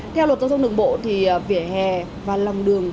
theo luật giao thông đường bộ thì vỉa hè và lòng đường